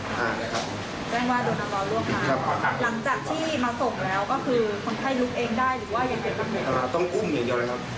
หลังจากที่มาส่งเลย